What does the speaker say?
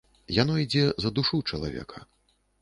Яно ідзе за душу чалавека.